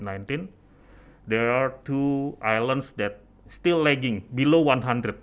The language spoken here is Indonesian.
ada dua pulau yang masih berkurangan di bawah seratus